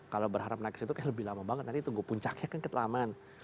kalau berharap naik ke situ kan lebih lama banget nanti tunggu puncaknya kan ke taman